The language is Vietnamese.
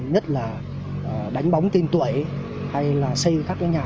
nhất là đánh bóng tên tuổi hay là xây các cái nhà